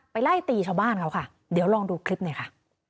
ไล่ตีชาวบ้านเขาค่ะเดี๋ยวลองดูคลิปหน่อยค่ะ